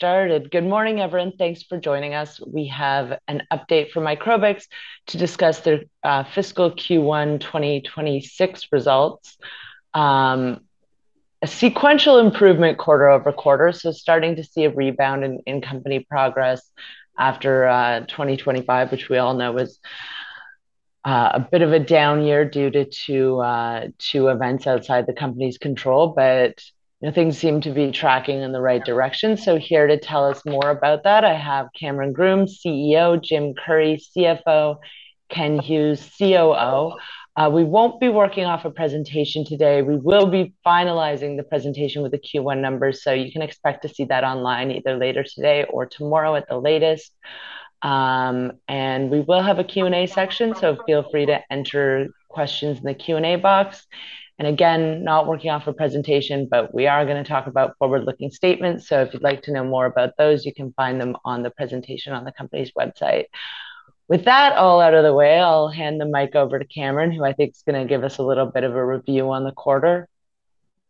Started. Good morning, everyone. Thanks for joining us. We have an update from Microbix to discuss their fiscal Q1 2026 results. A sequential improvement quarter-over-quarter, so starting to see a rebound in company progress after 2025, which we all know was a bit of a down year due to two events outside the company's control. But, you know, things seem to be tracking in the right direction. So here to tell us more about that, I have Cameron Groome, CEO, Jim Currie, CFO, Ken Hughes, COO. We won't be working off a presentation today. We will be finalizing the presentation with the Q1 numbers, so you can expect to see that online either later today or tomorrow at the latest. And we will have a Q&A section, so feel free to enter questions in the Q&A box. And again, not working off a presentation, but we are gonna talk about forward-looking statements, so if you'd like to know more about those, you can find them on the presentation on the company's website. With that all out of the way, I'll hand the mic over to Cameron, who I think is gonna give us a little bit of a review on the quarter.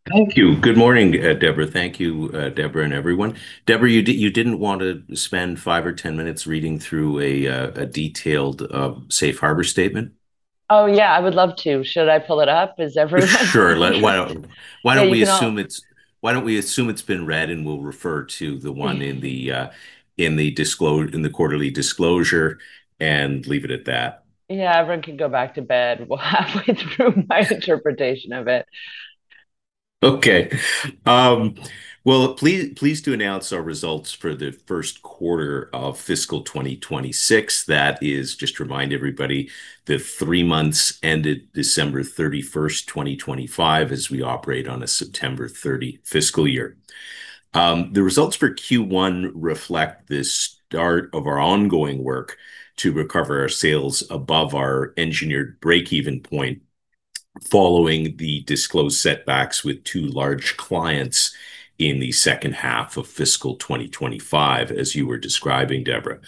Thank you. Good morning, Deborah. Thank you, Deborah and everyone. Deborah, you didn't want to spend five or 10 minutes reading through a detailed safe harbor statement? Oh, yeah, I would love to. Should I pull it up? Is everyone - Sure. Why don't- Yeah, you can all- Why don't we assume it's been read, and we'll refer to the one in the quarterly disclosure and leave it at that? Yeah, everyone can go back to bed halfway through my interpretation of it. Okay. Well, pleased to announce our results for the first quarter of fiscal 2026. That is, just to remind everybody, the three months ended December 31st, 2025, as we operate on a September 30 fiscal year. The results for Q1 reflect the start of our ongoing work to recover our sales above our engineered break-even point, following the disclosed setbacks with two large clients in the second half of fiscal 2025, as you were describing, Deborah.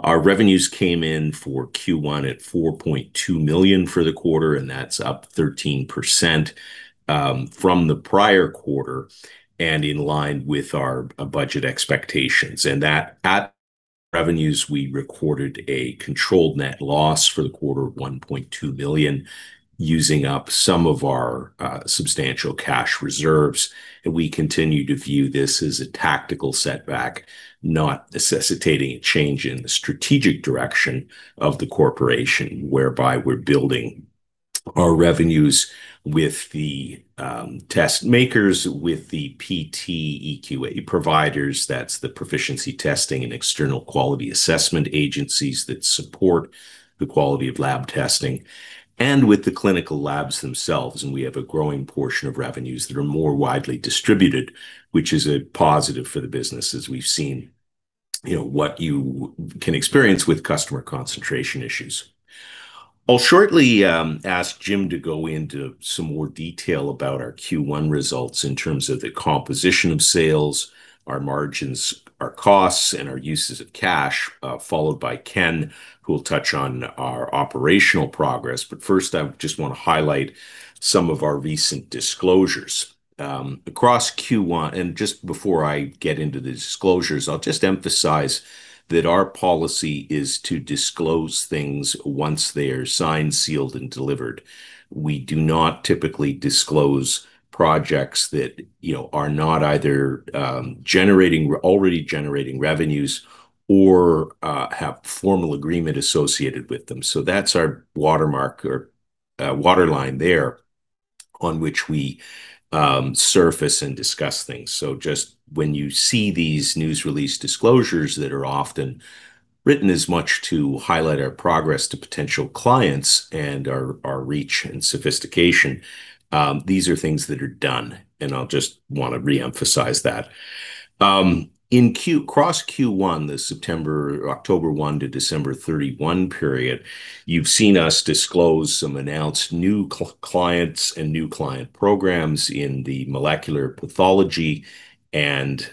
Our revenues came in for Q1 at 4.2 million for the quarter, and that's up 13%, from the prior quarter and in line with our budget expectations. And that, at revenues, we recorded a controlled net loss for the quarter of 1.2 billion, using up some of our substantial cash reserves. We continue to view this as a tactical setback, not necessitating a change in the strategic direction of the corporation, whereby we're building our revenues with the test makers, with the PT/EQA providers, that's the proficiency testing and external quality assessment agencies that support the quality of lab testing, and with the clinical labs themselves. We have a growing portion of revenues that are more widely distributed, which is a positive for the business, as we've seen, you know, what you can experience with customer concentration issues. I'll shortly ask Jim to go into some more detail about our Q1 results in terms of the composition of sales, our margins, our costs, and our uses of cash, followed by Ken, who will touch on our operational progress. But first, I just want to highlight some of our recent disclosures. Across Q1, and just before I get into the disclosures, I'll just emphasize that our policy is to disclose things once they are signed, sealed, and delivered. We do not typically disclose projects that, you know, are not either, already generating revenues or, have formal agreement associated with them. That's our watermark or waterline there on which we surface and discuss things. So just when you see these news release disclosures that are often written as much to highlight our progress to potential clients and our reach and sophistication, these are things that are done, and I'll just want to re-emphasize that. Across Q1, the September, October 1 to December 31 period, you've seen us disclose some announced new clients and new client programs in the molecular pathology and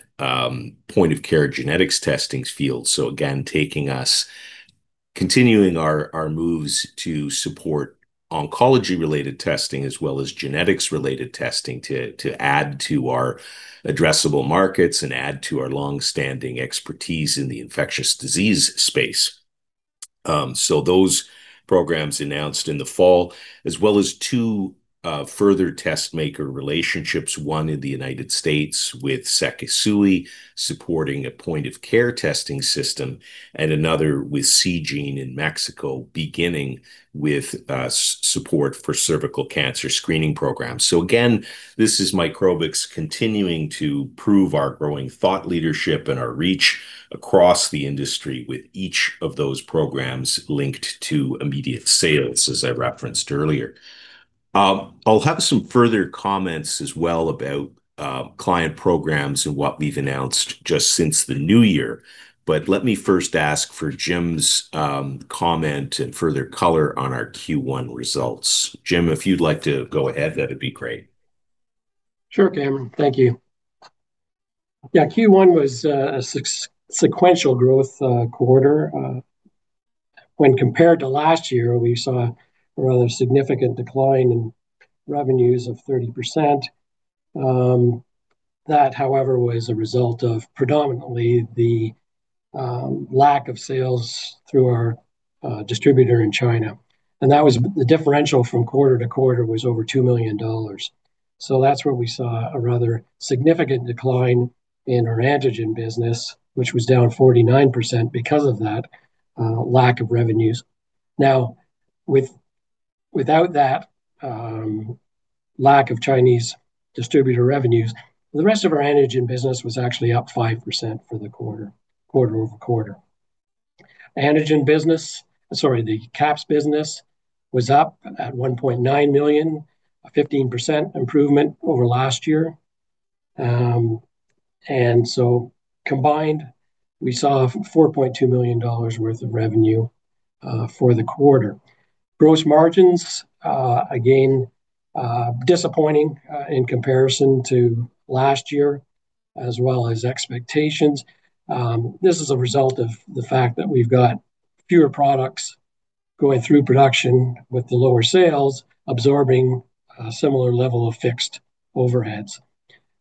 point-of-care genetics testings field. So again, taking us, continuing our moves to support oncology-related testing, as well as genetics-related testing, to add to our addressable markets and add to our long-standing expertise in the infectious disease space. So those programs announced in the fall, as well as two further test maker relationships, one in the United States with SEKISUI, supporting a point-of-care testing system, and another with Seegene in Mexico, beginning with support for cervical cancer screening programs. So again, this is Microbix continuing to prove our growing thought leadership and our reach across the industry with each of those programs linked to immediate sales, as I referenced earlier. I'll have some further comments as well about client programs and what we've announced just since the new year, but let me first ask for Jim's comment and further color on our Q1 results. Jim, if you'd like to go ahead, that'd be great. Sure, Cameron. Thank you. Yeah, Q1 was a sequential growth quarter when compared to last year, we saw a rather significant decline in revenues of 30%. That, however, was a result of predominantly the lack of sales through our distributor in China, and that was the differential from quarter to quarter was over 2 million dollars. So that's where we saw a rather significant decline in our antigen business, which was down 49% because of that lack of revenues. Now, without that lack of Chinese distributor revenues, the rest of our antigen business was actually up 5% for the quarter, quarter-over-quarter. Antigen business, the QAPs business was up at 1.9 million, a 15% improvement over last year. So combined, we saw 4.2 million dollars worth of revenue for the quarter. Gross margins, again, disappointing in comparison to last year, as well as expectations. This is a result of the fact that we've got fewer products going through production, with the lower sales absorbing a similar level of fixed overheads.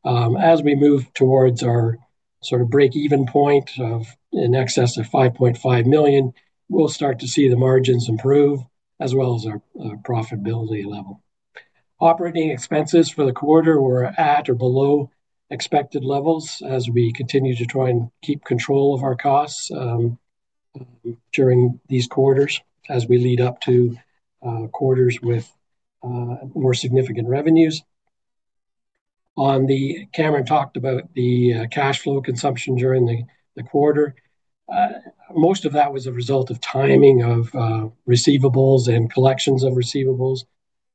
As we move towards our sort of break-even point of in excess of 5.5 million, we'll start to see the margins improve, as well as our profitability level. Operating expenses for the quarter were at or below expected levels, as we continue to try and keep control of our costs during these quarters, as we lead up to quarters with more significant revenues. Cameron talked about the cash flow consumption during the quarter. Most of that was a result of timing of receivables and collections of receivables.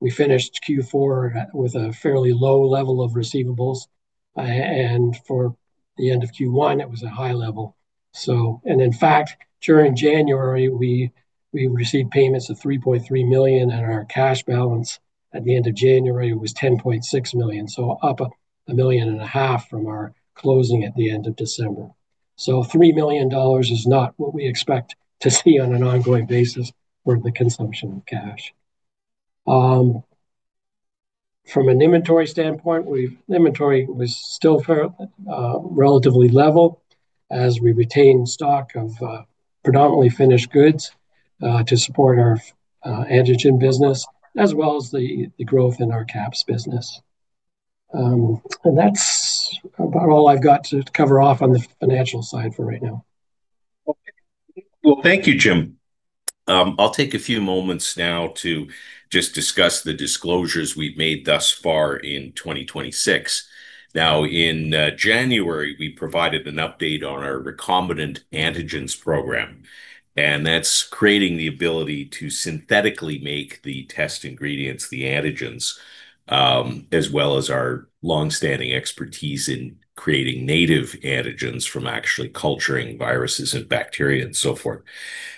We finished Q4 with a fairly low level of receivables. And for the end of Q1, it was a high level, so. And in fact, during January, we received payments of 3.3 million, and our cash balance at the end of January was 10.6 million, so up 1.5 million from our closing at the end of December. Three million dollars is not what we expect to see on an ongoing basis for the consumption of cash. From an inventory standpoint, inventory was still fairly relatively level as we retain stock of predominantly finished goods to support our antigen business, as well as the growth in our QAPs business. That's about all I've got to cover off on the financial side for right now. Well, thank you, Jim. I'll take a few moments now to just discuss the disclosures we've made thus far in 2026. Now, in January, we provided an update on our recombinant antigens program, and that's creating the ability to synthetically make the test ingredients, the antigens, as well as our long-standing expertise in creating native antigens from actually culturing viruses and bacteria, and so forth.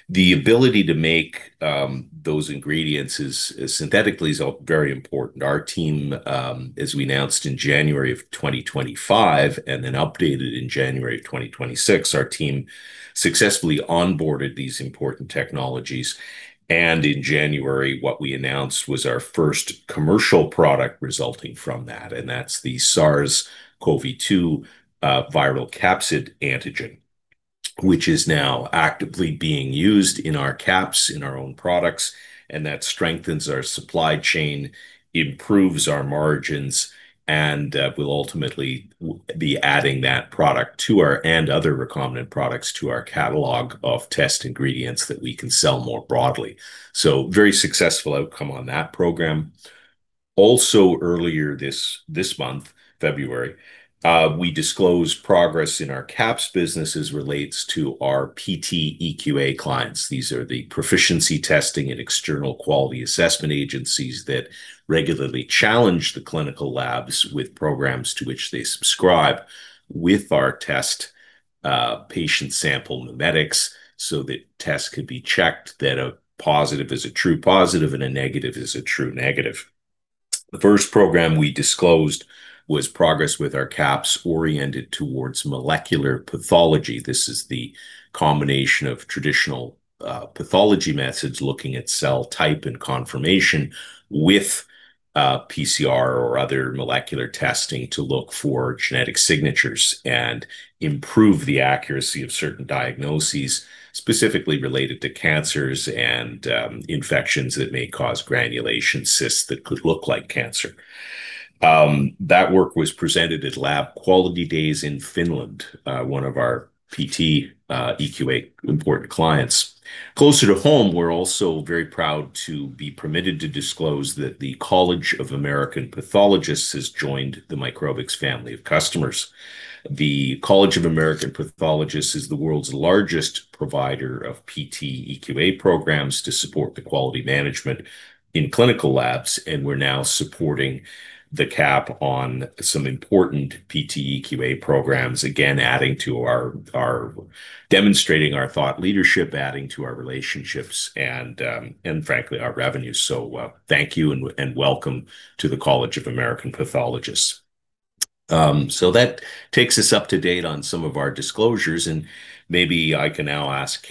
The ability to make those ingredients as synthetically is very important. Our team, as we announced in January of 2025 and then updated in January of 2026, our team successfully onboarded these important technologies. In January, what we announced was our first commercial product resulting from that, and that's the SARS-CoV-2 viral capsid antigen, which is now actively being used in our QAPs, in our own products, and that strengthens our supply chain, improves our margins, and we'll ultimately be adding that product to our and other recombinant products to our catalog of test ingredients that we can sell more broadly. Very successful outcome on that program. Also, earlier this month, February, we disclosed progress in our QAPs business as relates to our PT/EQA clients. These are the proficiency testing and external quality assessment agencies that regularly challenge the clinical labs with programs to which they subscribe with our test patient sample mimetics, so that tests could be checked that a positive is a true positive and a negative is a true negative. The first program we disclosed was progress with our QAPs oriented towards molecular pathology. This is the combination of traditional, pathology methods, looking at cell type and confirmation with, PCR or other molecular testing to look for genetic signatures and improve the accuracy of certain diagnoses, specifically related to cancers and, infections that may cause granulation cysts that could look like cancer. That work was presented at Labquality Days in Finland, one of our PT/EQA important clients. Closer to home, we're also very proud to be permitted to disclose that the College of American Pathologists has joined the Microbix family of customers. The College of American Pathologists is the world's largest provider of PT/EQA programs to support the quality management in clinical labs, and we're now supporting the CAP on some important PT/EQA programs, again, adding to our demonstrating our thought leadership, adding to our relationships, and frankly, our revenues. So, thank you, and welcome to the College of American Pathologists. So that takes us up to date on some of our disclosures, and maybe I can now ask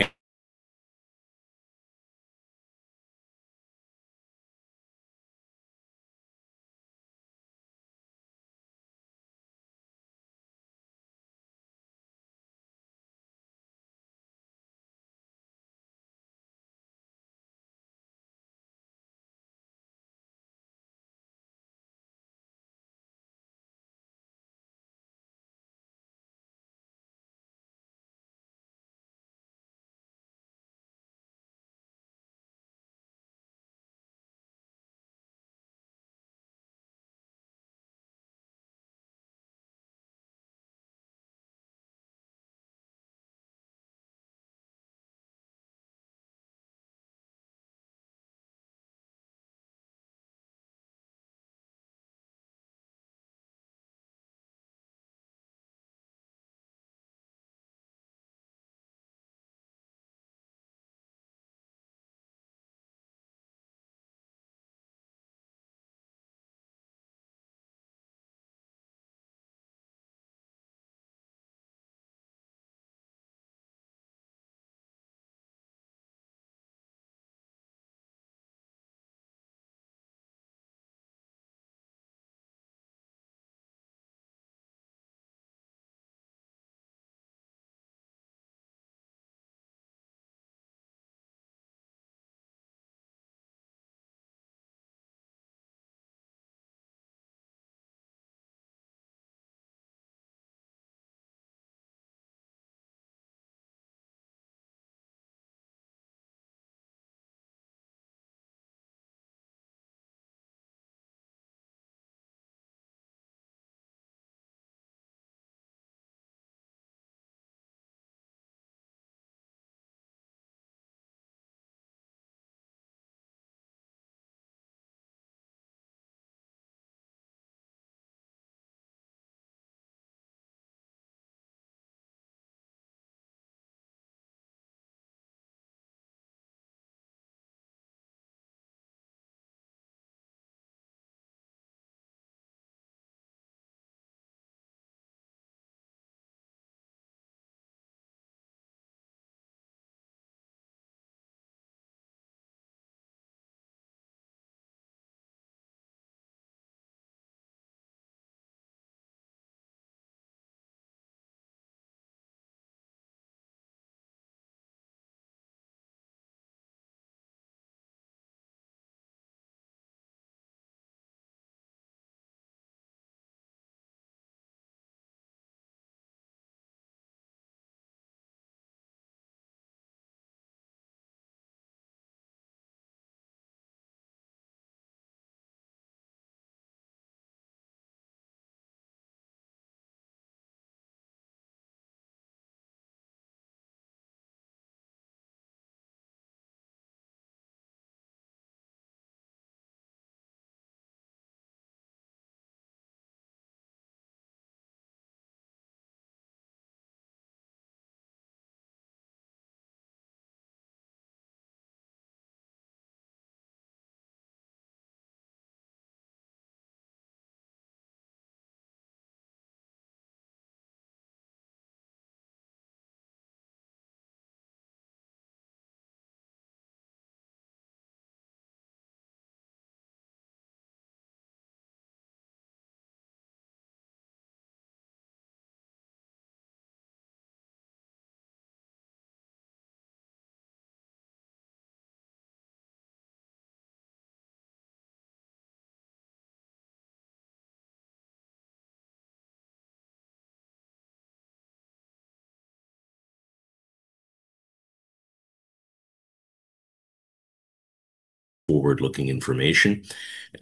Ken. Forward-looking information,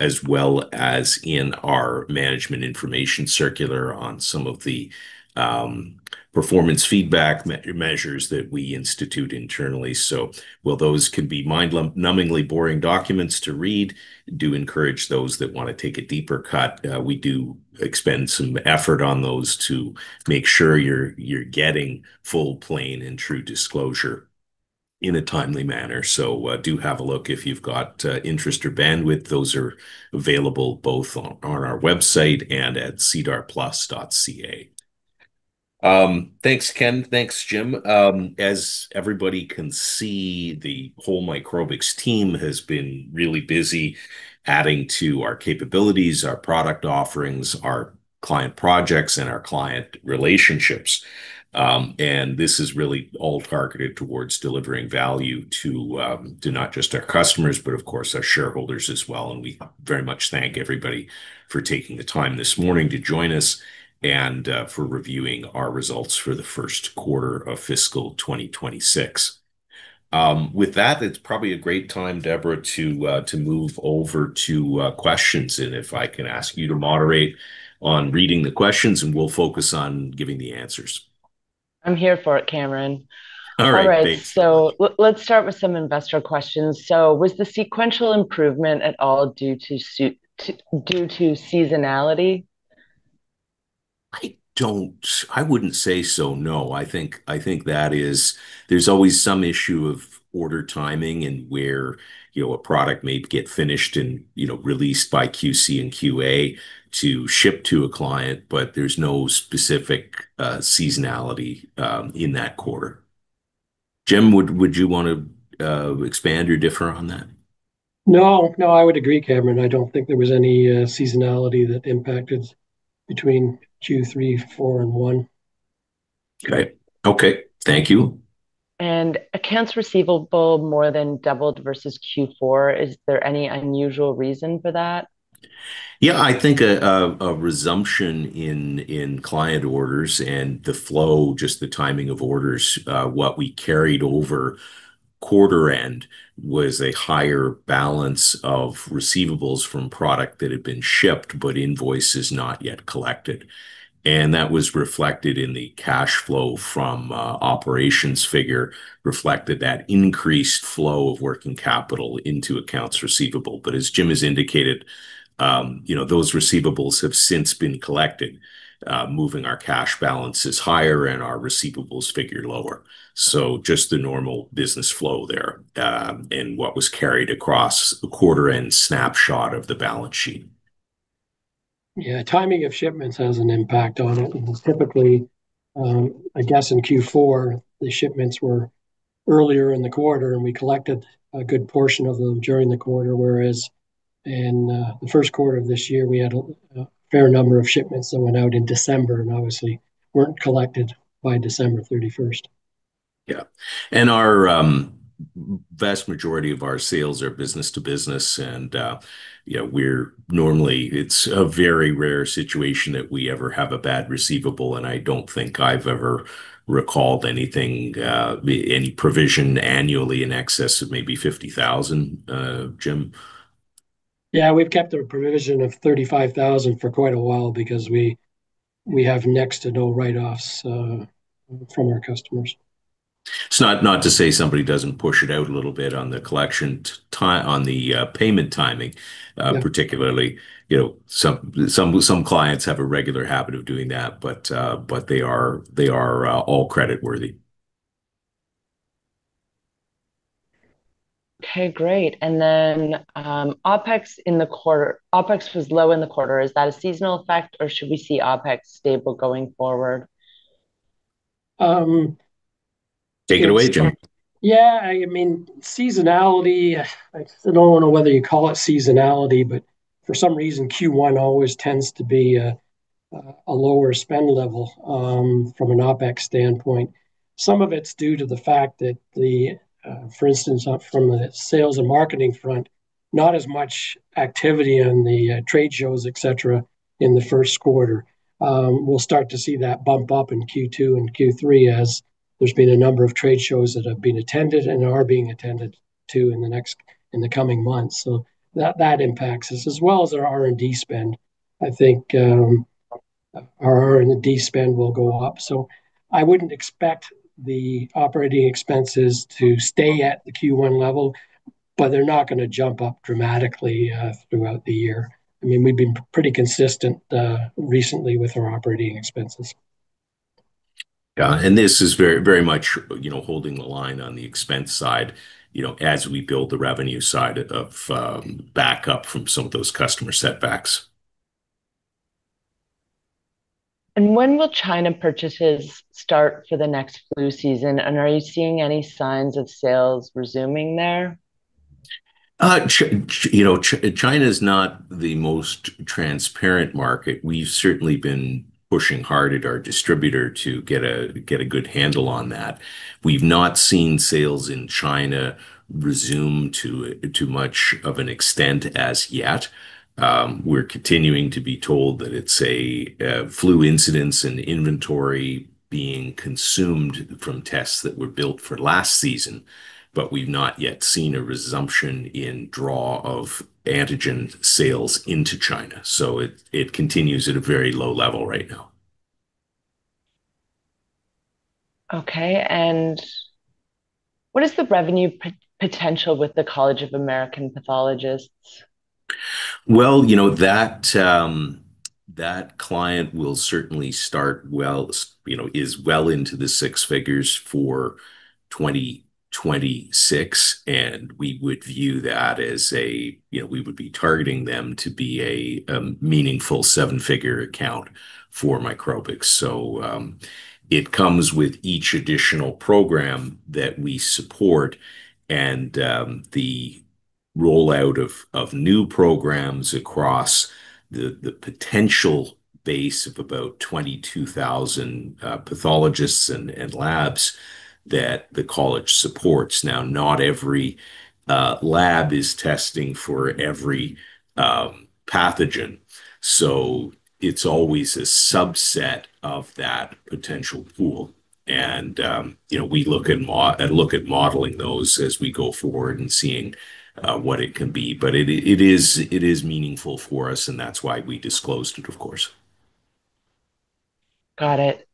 as well as in our management information circular on some of the performance feedback measures that we institute internally. So while those can be mind-numbingly boring documents to read, do encourage those that want to take a deeper cut. We do expend some effort on those to make sure you're getting full, plain, and true disclosure in a timely manner. So, do have a look if you've got interest or bandwidth. Those are available both on our website and at sedarplus.ca. Thanks, Ken. Thanks, Jim. As everybody can see, the whole Microbix team has been really busy adding to our capabilities, our product offerings, our client projects, and our client relationships. And this is really all targeted towards delivering value to not just our customers, but of course, our shareholders as well. And we very much thank everybody for taking the time this morning to join us and for reviewing our results for the first quarter of fiscal 2026. With that, it's probably a great time, Deborah, to move over to questions. And if I can ask you to moderate on reading the questions, and we'll focus on giving the answers. I'm here for it, Cameron. All right, thanks. All right. So let's start with some investor questions. So was the sequential improvement at all due to seasonality? I don't, I wouldn't say so, no. I think, I think that is, there's always some issue of order timing and where, you know, a product may get finished and, you know, released by QC and QA to ship to a client, but there's no specific seasonality in that quarter. Jim, would you want to expand or differ on that? No, no, I would agree, Cameron. I don't think there was any seasonality that impacted between Q3, Q4, and Q1. Okay. Okay, thank you. Accounts receivable more than doubled versus Q4. Is there any unusual reason for that? Yeah, I think a resumption in client orders and the flow, just the timing of orders. What we carried over quarter end was a higher balance of receivables from product that had been shipped, but invoices not yet collected. That was reflected in the cash flow from operations figure, reflected that increased flow of working capital into accounts receivable. As Jim has indicated, you know, those receivables have since been collected, moving our cash balances higher and our receivables figure lower. So just the normal business flow there, and what was carried across a quarter-end snapshot of the balance sheet. Yeah, timing of shipments has an impact on it. Typically, I guess in Q4, the shipments were earlier in the quarter, and we collected a good portion of them during the quarter, whereas in the first quarter of this year, we had a fair number of shipments that went out in December and obviously weren't collected by December 31st. Yeah. Our vast majority of our sales are business to business, and you know, we're normally, it's a very rare situation that we ever have a bad receivable, and I don't think I've ever recalled anything, any provision annually in excess of maybe 50,000. Jim? Yeah, we've kept a provision of 35,000 for quite a while because we have next to no write-offs from our customers. It's not to say somebody doesn't push it out a little bit on the collection, on the payment timing particularly, you know, some clients have a regular habit of doing that, but they are all creditworthy. Okay, great. And then, OpEx in the quarter—OpEx was low in the quarter. Is that a seasonal effect, or should we see OpEx stable going forward? Take it away, Jim. Yeah, I mean, seasonality, I still don't know whether you call it seasonality, but for some reason, Q1 always tends to be a lower spend level from an OpEx standpoint. Some of it's due to the fact that the, for instance, up from a sales and marketing front, not as much activity on the trade shows, et cetera, in the first quarter. We'll start to see that bump up in Q2 and Q3, as there's been a number of trade shows that have been attended and are being attended to in the next in the coming months. So that, that impacts us, as well as our R&D spend. I think, our R&D spend will go up, so I wouldn't expect the operating expenses to stay at the Q1 level, but they're not gonna jump up dramatically throughout the year. I mean, we've been pretty consistent recently with our operating expenses. Yeah, and this is very, very much, you know, holding the line on the expense side, you know, as we build the revenue side of back up from some of those customer setbacks. When will China purchases start for the next flu season? And are you seeing any signs of sales resuming there? You know, China's not the most transparent market. We've certainly been pushing hard at our distributor to get a good handle on that. We've not seen sales in China resume to much of an extent as yet. We're continuing to be told that it's a flu incidence and inventory being consumed from tests that were built for last season, but we've not yet seen a resumption in draw of antigen sales into China, so it continues at a very low level right now. Okay, and what is the revenue potential with the College of American Pathologists? Well, you know, that client will certainly start well, you know, is well into the six figures for 2026, and we would view that as a, you know, we would be targeting them to be a meaningful seven-figure account for Microbix. So, it comes with each additional program that we support and the rollout of new programs across the potential base of about 22,000 pathologists and labs that the college supports. Now, not every lab is testing for every pathogen, so it's always a subset of that potential pool. And, you know, we look at modeling those as we go forward and seeing what it can be. But it is meaningful for us, and that's why we disclosed it, of course. Got it.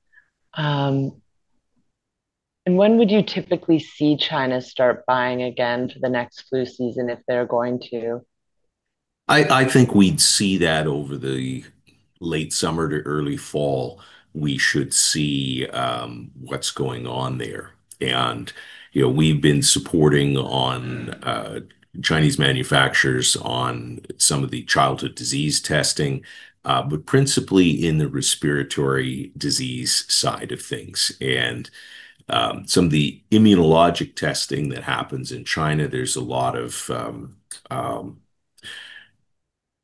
When would you typically see China start buying again for the next flu season, if they're going to? I think we'd see that over the late summer to early fall. We should see what's going on there. And, you know, we've been supporting Chinese manufacturers on some of the childhood disease testing, but principally in the respiratory disease side of things. And some of the immunologic testing that happens in China, there's a lot of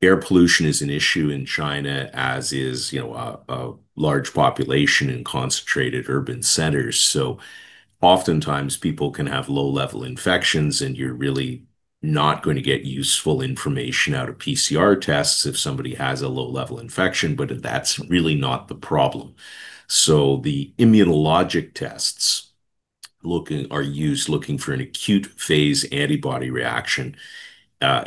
air pollution is an issue in China, as is, you know, a large population in concentrated urban centers. So oftentimes, people can have low-level infections, and you're really not going to get useful information out of PCR tests if somebody has a low-level infection, but that's really not the problem. So the immunologic tests are used looking for an acute phase antibody reaction,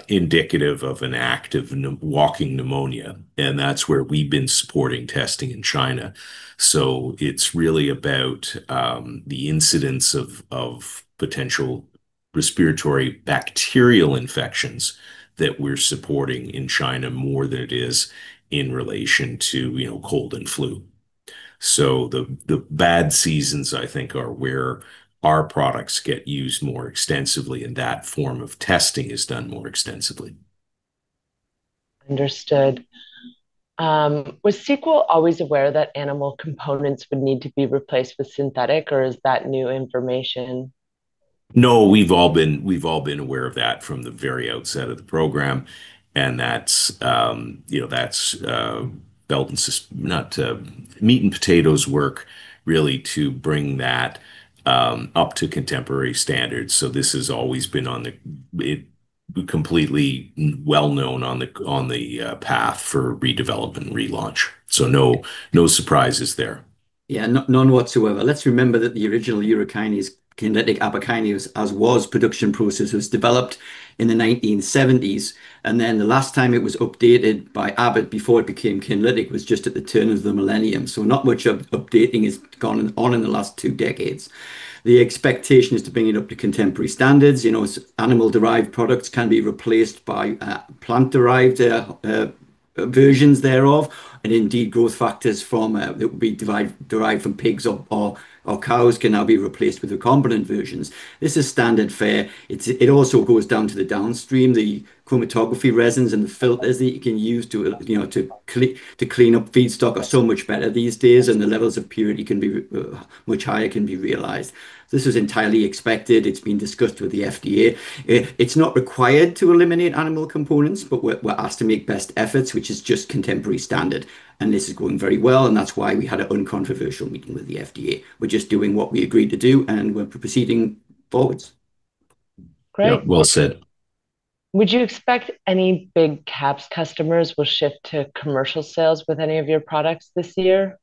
indicative of an active walking pneumonia, and that's where we've been supporting testing in China. So it's really about the incidence of potential respiratory bacterial infections that we're supporting in China, more than it is in relation to, you know, cold and flu. So the bad seasons, I think, are where our products get used more extensively, and that form of testing is done more extensively. Understood. Was Sequel always aware that animal components would need to be replaced with synthetic, or is that new information? No, we've all been aware of that from the very outset of the program, and that's, you know, that's belt and suspenders, not meat and potatoes work, really, to bring that up to contemporary standards. So this has always been on the path. It's completely well known on the path for redevelop and relaunch. So no, no surprises there. Yeah. None whatsoever. Let's remember that the original urokinase, Abbokinase, as was, production process was developed in the 1970s, and then the last time it was updated by Abbott, before it became Kinlytic, was just at the turn of the millennium. So not much of updating has gone on in the last two decades. The expectation is to bring it up to contemporary standards. You know, its animal-derived products can be replaced by plant-derived versions thereof, and indeed, growth factors from that would be derived from pigs or cows can now be replaced with recombinant versions. This is standard fare. It also goes down to the downstream, the chromatography resins and the filters that you can use to, you know, to clean up feedstock are so much better these days, and the levels of purity can be much higher can be realized. This is entirely expected. It's been discussed with the FDA. It's not required to eliminate animal components, but we're asked to make best efforts, which is just contemporary standard, and this is going very well, and that's why we had an uncontroversial meeting with the FDA. We're just doing what we agreed to do, and we're proceeding forwards. Great. Yeah. Well said. Would you expect any big QAPs customers will shift to commercial sales with any of your products this year?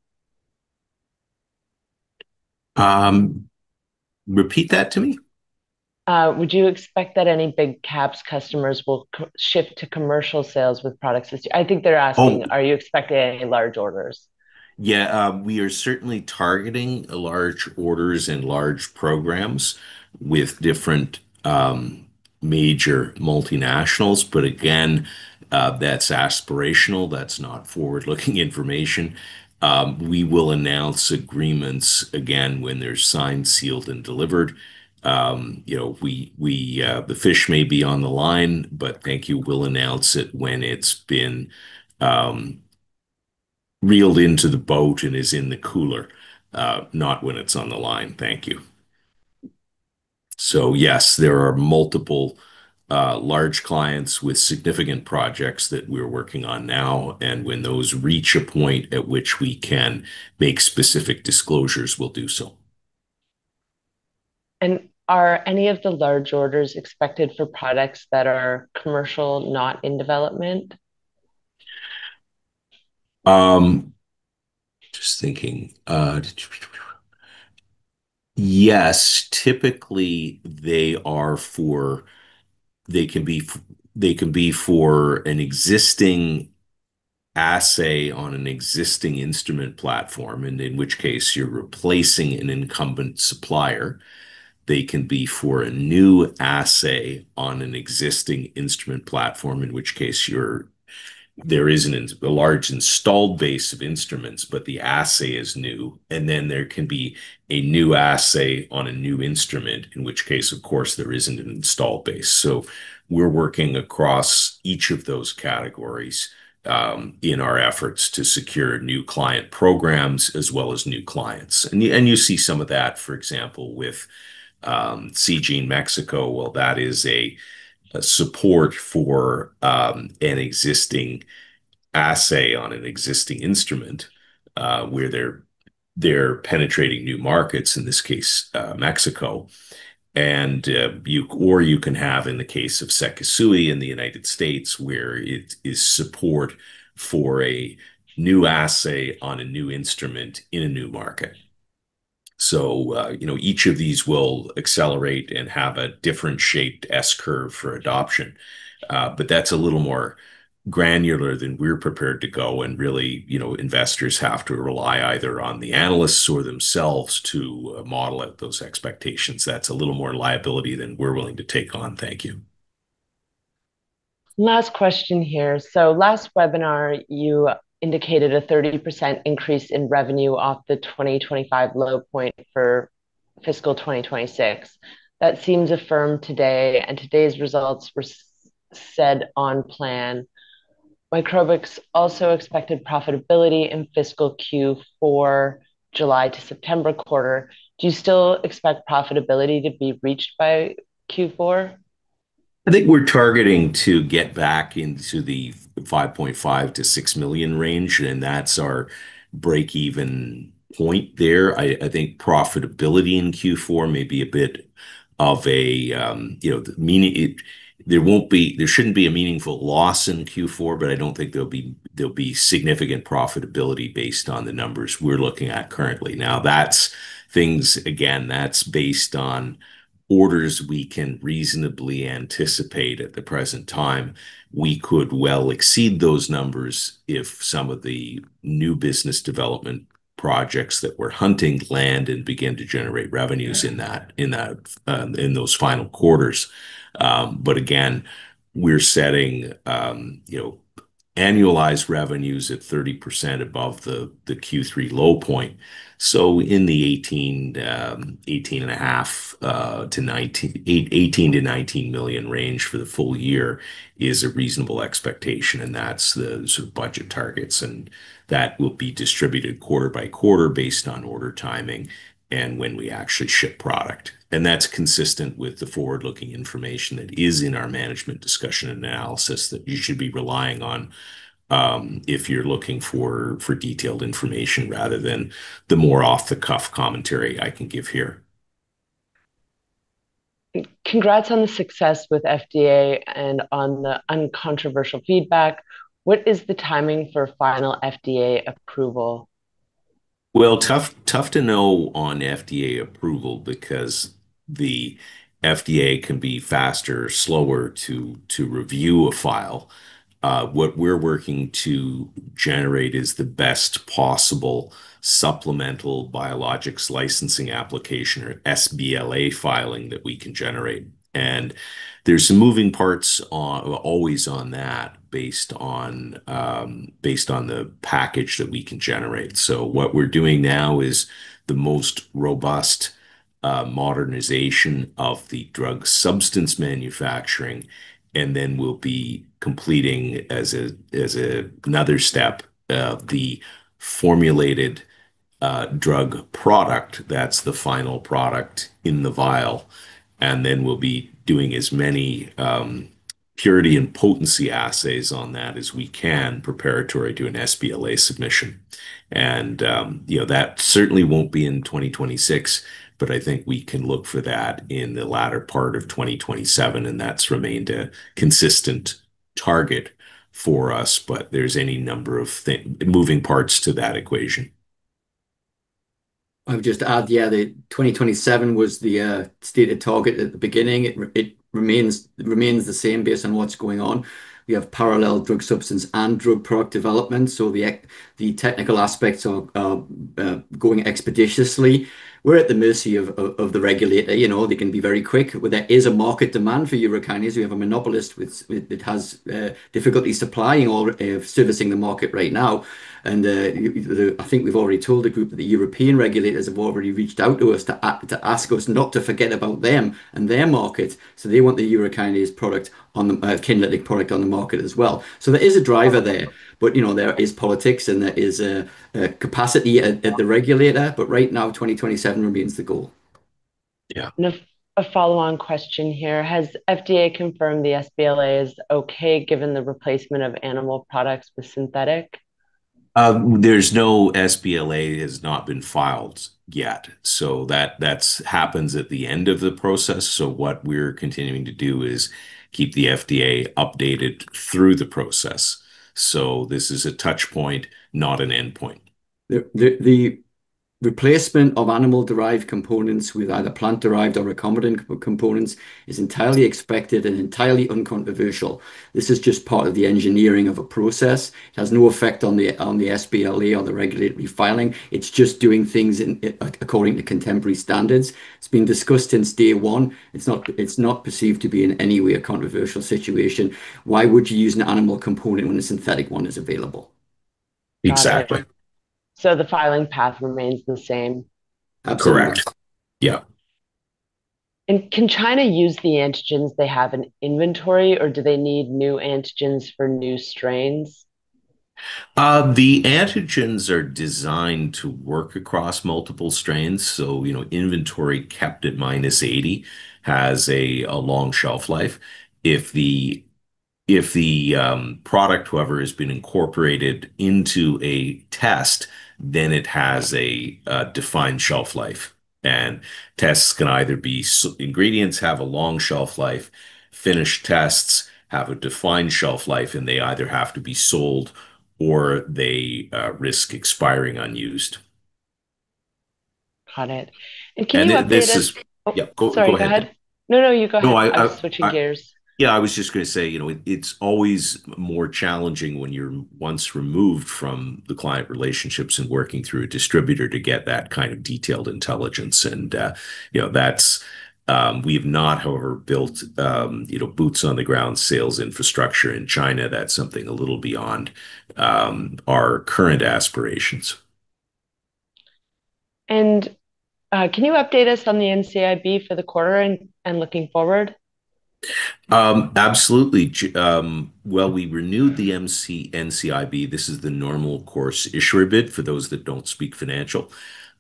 Repeat that to me. Would you expect that any big QAPs customers will shift to commercial sales with products this year? I think they're asking, are you expecting any large orders? Yeah, we are certainly targeting large orders and large programs with different major multinationals. But again, that's aspirational. That's not forward-looking information. We will announce agreements again when they're signed, sealed, and delivered. You know, the fish may be on the line, but thank you. We'll announce it when it's been reeled into the boat and is in the cooler, not when it's on the line. Thank you. So yes, there are multiple large clients with significant projects that we're working on now, and when those reach a point at which we can make specific disclosures, we'll do so. Are any of the large orders expected for products that are commercial, not in development? Just thinking. Yes, typically, they are for, they can be for an existing assay on an existing instrument platform, and in which case, you're replacing an incumbent supplier. They can be for a new assay on an existing instrument platform, in which case there is a large installed base of instruments, but the assay is new. And then, there can be a new assay on a new instrument, in which case, of course, there isn't an installed base. So we're working across each of those categories in our efforts to secure new client programs as well as new clients. And you see some of that, for example, with Seegene in Mexico. Well, that is a support for an existing assay on an existing instrument, where they're penetrating new markets, in this case, Mexico. Or you can have, in the case of SEKISUI in the United States, where it is support for a new assay on a new instrument in a new market. So, you know, each of these will accelerate and have a different shaped S-curve for adoption, but that's a little more granular than we're prepared to go. And really, you know, investors have to rely either on the analysts or themselves to model out those expectations. That's a little more liability than we're willing to take on. Thank you. Last question here. So last webinar, you indicated a 30% increase in revenue off the 2025 low point for fiscal 2026. That seems affirmed today, and today's results were said on plan. Microbix also expected profitability in fiscal Q4, July to September quarter. Do you still expect profitability to be reached by Q4? I think we're targeting to get back into the 5.5 million-6 million range, and that's our break-even point there. I, I think profitability in Q4 may be a bit of a, you know, meaning it, there won't be, there shouldn't be a meaningful loss in Q4, but I don't think there'll be, there'll be significant profitability based on the numbers we're looking at currently. Now, that's things, again, that's based on orders we can reasonably anticipate at the present time. We could well exceed those numbers if some of the new business development projects that we're hunting land and begin to generate revenues in that, in that, in those final quarters. But again, we're setting, you know, annualized revenues at 30% above the Q3 low point. In the 18.5 million-19 million range for the full year is a reasonable expectation, and that's the sort of budget targets, and that will be distributed quarter by quarter based on order timing and when we actually ship product. And that's consistent with the forward-looking information that is in our management discussion analysis that you should be relying on, if you're looking for detailed information, rather than the more off-the-cuff commentary I can give here. Congrats on the success with FDA and on the uncontroversial feedback. What is the timing for final FDA approval? Well, tough, tough to know on FDA approval because the FDA can be faster or slower to review a file. What we're working to generate is the best possible supplemental biologics licensing application, or sBLA filing, that we can generate. And there's some moving parts on that, always based on the package that we can generate. So what we're doing now is the most robust modernization of the drug substance manufacturing, and then we'll be completing, as another step, the formulated drug product. That's the final product in the vial. And then we'll be doing as many purity and potency assays on that as we can, preparatory to an sBLA submission. You know, that certainly won't be in 2026, but I think we can look for that in the latter part of 2027, and that's remained a consistent target for us, but there's any number of thing, moving parts to that equation. I would just add, yeah, the 2027 was the stated target at the beginning. It remains the same based on what's going on. We have parallel drug substance and drug product development, so the technical aspects are going expeditiously. We're at the mercy of the regulator. You know, they can be very quick, but there is a market demand for urokinase. We have a monopolist which has difficulty supplying or servicing the market right now. And, I think we've already told the group that the European regulators have already reached out to us to ask us not to forget about them and their market. So they want the urokinase product on the Kinlytic product on the market as well. There is a driver there, but, you know, there is politics, and there is a capacity at the regulator, but right now, 2027 remains the goal. Yeah. A follow-on question here: Has FDA confirmed the sBLA is okay, given the replacement of animal products with synthetic? No sBLA has been filed yet. That happens at the end of the process, so what we're continuing to do is keep the FDA updated through the process. This is a touch point, not an endpoint. The replacement of animal-derived components with either plant-derived or recombinant components is entirely expected and entirely uncontroversial. This is just part of the engineering of a process. It has no effect on the sBLA or the regulatory filing. It's just doing things in, according to contemporary standards. It's been discussed since day one. It's not perceived to be, in any way, a controversial situation. Why would you use an animal component when a synthetic one is available? Exactly. Got it. So the filing path remains the same? Absolutely. Correct. Yeah. Can China use the antigens they have in inventory, or do they need new antigens for new strains? The antigens are designed to work across multiple strains, so, you know, inventory kept at -80 has a long shelf life. If the product, however, has been incorporated into a test, then it has a defined shelf life. So ingredients have a long shelf life. Finished tests have a defined shelf life, and they either have to be sold or they risk expiring unused. Got it. This is- Can you update us- Yeah, go, go ahead. Sorry, go ahead. No, no, you go ahead. No, I- I was switching gears. Yeah, I was just gonna say, you know, it's always more challenging when you're once removed from the client relationships and working through a distributor to get that kind of detailed intelligence. And, you know, we've not, however, built, you know, boots-on-the-ground sales infrastructure in China. That's something a little beyond our current aspirations. Can you update us on the NCIB for the quarter and looking forward? Absolutely. Well, we renewed the NCIB. This is the normal course issuer bid, for those that don't speak financial.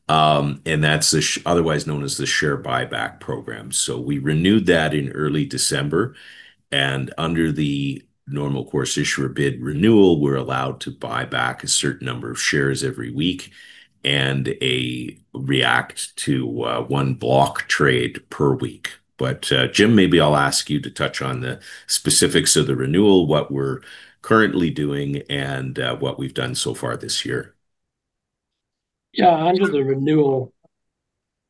And that's otherwise known as the share buyback program. So we renewed that in early December, and under the normal course issuer bid renewal, we're allowed to buy back a certain number of shares every week and react to one block trade per week. But, Jim, maybe I'll ask you to touch on the specifics of the renewal, what we're currently doing, and what we've done so far this year. Yeah, under the renewal,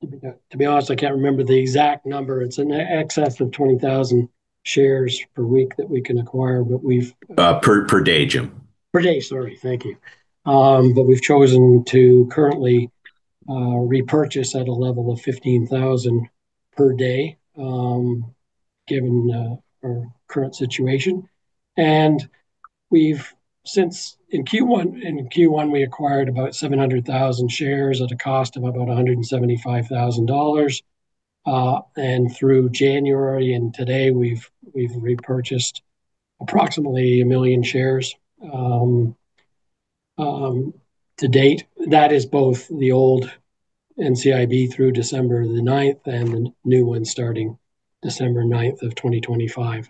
to be honest, I can't remember the exact number. It's in excess of 20,000 shares per week that we can acquire, but we've- Per day, Jim. Per day. Sorry. Thank you. But we've chosen to currently repurchase at a level of 15,000 per day, given our current situation. And we've since in Q1, in Q1, we acquired about 700,000 shares at a cost of about 175,000 dollars. And through January and today, we've, we've repurchased approximately 1 million shares to date. That is both the old NCIB through December 9 and the new one starting December 9, 2025.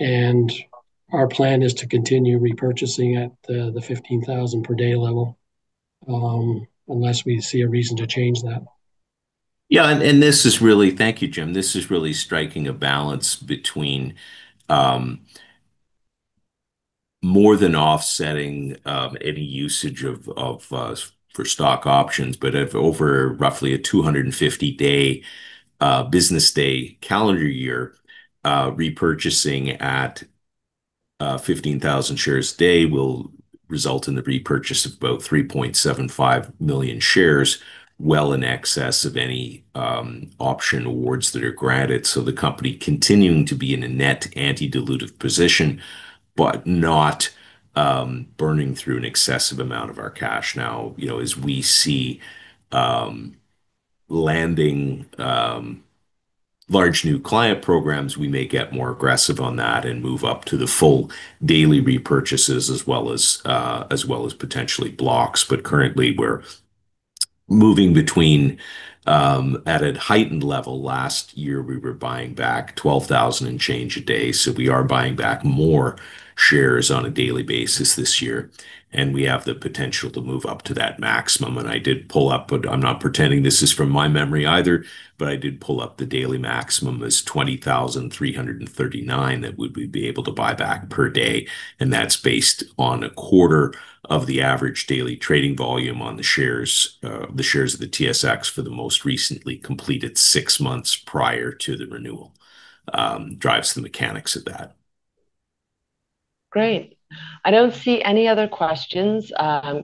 And our plan is to continue repurchasing at the 15,000 per day level, unless we see a reason to change that. Yeah, and this is really. Thank you, Jim. This is really striking a balance between more than offsetting any usage of for stock options, but over roughly a 250-day business day calendar year, repurchasing at 15,000 shares a day will result in the repurchase of about 3.75 million shares, well in excess of any option awards that are granted, so the company continuing to be in a net anti-dilutive position, but not burning through an excessive amount of our cash. Now, you know, as we see landing large new client programs, we may get more aggressive on that and move up to the full daily repurchases, as well as potentially blocks. But currently, we're moving between at a heightened level. Last year, we were buying back 12,000 and change a day, so we are buying back more shares on a daily basis this year, and we have the potential to move up to that maximum. And I did pull up, but I'm not pretending this is from my memory either, but I did pull up the daily maximum is 20,339 that would we be able to buy back per day, and that's based on a quarter of the average daily trading volume on the shares, the shares of the TSX for the most recently completed six months prior to the renewal, drives the mechanics of that. Great. I don't see any other questions.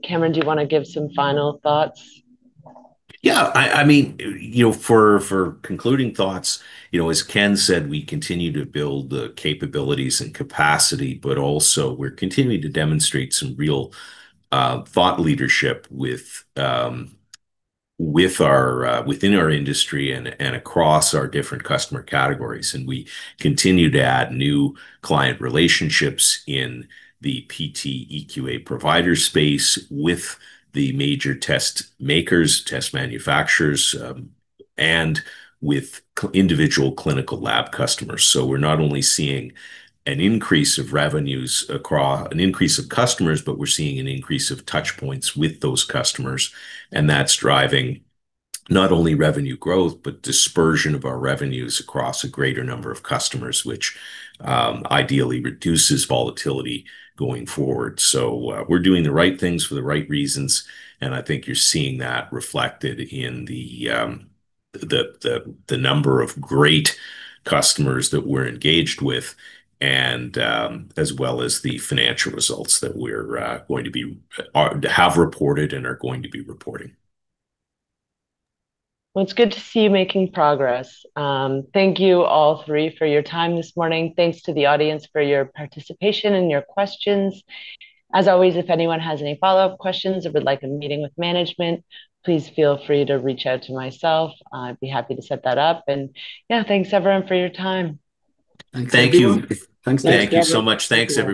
Cameron, do you want to give some final thoughts? Yeah, I mean, you know, for concluding thoughts, you know, as Ken said, we continue to build the capabilities and capacity, but also we're continuing to demonstrate some real thought leadership with our within our industry and across our different customer categories. And we continue to add new client relationships in the PT/EQA provider space with the major test makers, test manufacturers, and with individual clinical lab customers. So we're not only seeing an increase of revenues across an increase of customers, but we're seeing an increase of touch points with those customers, and that's driving not only revenue growth, but dispersion of our revenues across a greater number of customers, which ideally reduces volatility going forward. So, we're doing the right things for the right reasons, and I think you're seeing that reflected in the number of great customers that we're engaged with and, as well as the financial results that we're going to have reported and are going to be reporting. Well, it's good to see you making progress. Thank you all three for your time this morning. Thanks to the audience for your participation and your questions. As always, if anyone has any follow-up questions or would like a meeting with management, please feel free to reach out to myself. I'd be happy to set that up. And yeah, thanks, everyone, for your time. Thank you. Thanks. Thank you so much. Thanks, everyone.